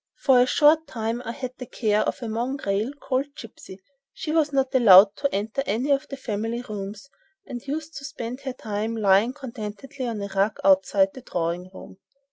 For a short time I had the care of a mongrel called "Gipsy." She was not allowed to enter any of the family rooms, and used to spend her time lying contentedly on the rug outside the drawing room.